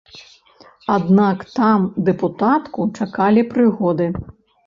Аднак там дэпутатку чакалі прыгоды.